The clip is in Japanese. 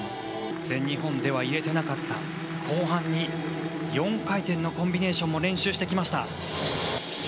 全日本では入れてなかった後半に４回転のコンビネーションも練習してきました。